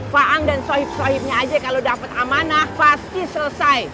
faang dan sohib sohibnya aja kalau dapet amanah pasti selesai